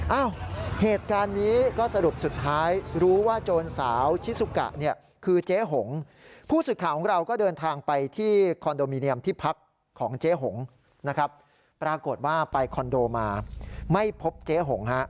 เอ้าเหตุการณ์นี้ก็สรุปสุดท้ายรู้ว่าโจรสาวชิซุกะเนี่ยคือเจ๊หง